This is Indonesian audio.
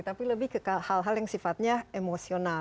tapi lebih ke hal hal yang sifatnya emosional